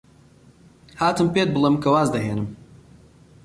هاتم پێت بڵێم کە واز دەهێنم.